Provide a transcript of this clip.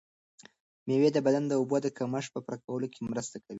مېوې د بدن د اوبو د کمښت په پوره کولو کې مرسته کوي.